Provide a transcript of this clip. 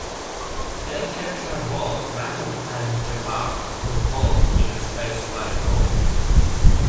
They capture both Matton and Jaffar, who followed in a space lifeboat.